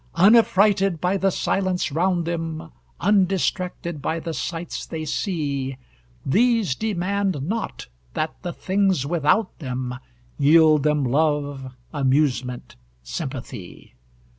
"Unaffrighted by the silence round them, Undistracted by the sights they see, These demand not that the things without them Yield them love, amusement, sympathy.